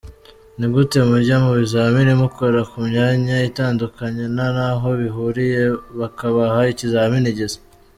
Ni gute mujya mubizamini mukora kumyanya itandukanye ntanaho bihuriye bakabaha ikizamini gisa.